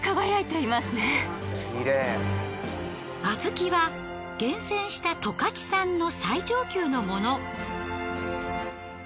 小豆は厳選した十勝産の最上級のもの。